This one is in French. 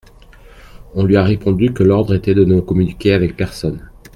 On lui a répondu que l'ordre était de ne communiquer avec personne.